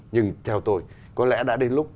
nhưng theo tôi có lẽ đã đến lúc